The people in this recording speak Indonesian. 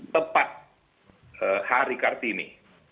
tepat hari kartini